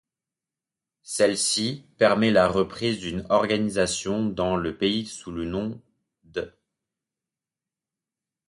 Celle-ci permet la reprise d'une organisation dans le pays sous le nom d'.